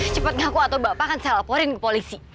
cepet ngaku atau bapak akan saya laporin ke polisi